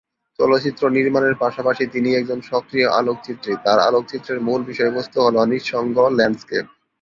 চলচ্চিত্র নির্মাণের পাশাপাশি তিনি একজন সক্রিয় আলোকচিত্রী, তার আলোকচিত্রের মূল বিষয়বস্তু হল নিঃসঙ্গ ল্যান্ডস্কেপ।